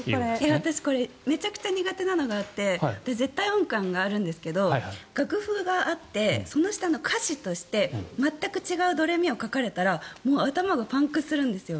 私めちゃくちゃ苦手なのがあって私は絶対音感があるんですが楽譜があってその下の歌詞として全く違うドレミを書かれたら頭がパンクするんです。